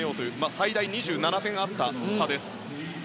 最大２７点あった差です。